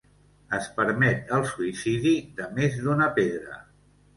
Es permet el suïcidi de més d'una pedra.